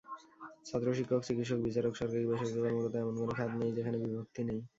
ছাত্র, শিক্ষক, চিকিৎসক, বিচারক, সরকারি-বেসরকারি কর্মকর্তা—এমন কোনো খাত নেই যেখানে বিভক্তি নেই।